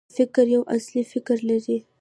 فقره یو اصلي فکر لري.